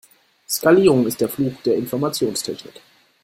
Skalierung ist der Fluch der Informationstechnik.